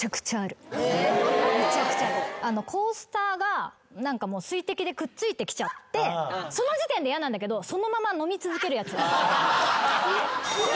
コースターが水滴でくっついてきちゃってその時点で嫌なんだけどそのまま飲み続けるやつ。